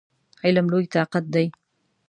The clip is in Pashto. علم لوی طاقت دی!